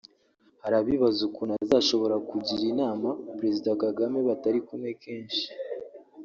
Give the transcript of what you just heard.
Hari abibaza ukuntu azashobora kugira inama Perezida Kagame batari kumwe kenshi